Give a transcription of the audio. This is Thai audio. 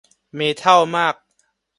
เมทัลมาก